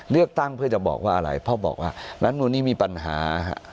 เลือกตั้งเพื่อจะบอกว่าอะไรเพราะบอกว่ารัฐมนุนนี้มีปัญหา